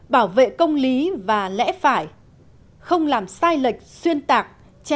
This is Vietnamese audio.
bảo vệ công lý và lẽ phải không làm sai lệch xuyên tạc